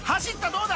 どうだ⁉］